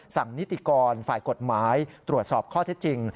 นิติกรฝ่ายกฎหมายตรวจสอบข้อเท็จจริง